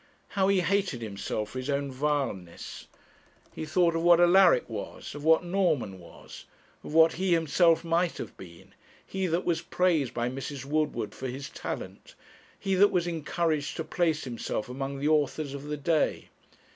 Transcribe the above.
how he hated himself for his own vileness! He thought of what Alaric was, of what Norman was, of what he himself might have been he that was praised by Mrs. Woodward for his talent, he that was encouraged to place himself among the authors of the day!